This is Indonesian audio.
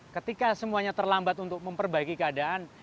ketika semuanya terlambat untuk memperbaiki keadaan